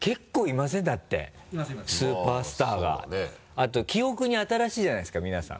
あと記憶に新しいじゃないですか皆さん。